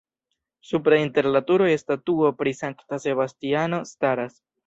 Supre inter la turoj statuo pri Sankta Sebastiano staras.